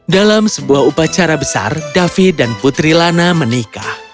dalam sebuah upacara besar david dan putri lana menikah